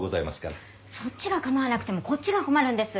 そっちが構わなくてもこっちが困るんです。